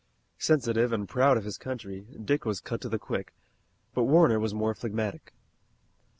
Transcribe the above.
Sensitive and proud of his country, Dick was cut to the quick, but Warner was more phlegmatic.